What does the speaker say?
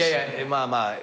まあまあ。